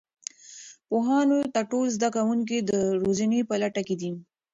پوهانو ته ټول زده کوونکي د روزنې په لټه کې دي.